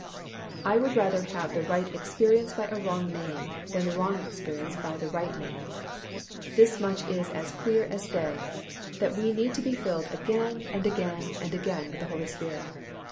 _, I would rather have the right experience by a wrong name, than the wrong experience by the right name. This much is as clear as day, that we need to be filled again and again and again with the Holy Spirit.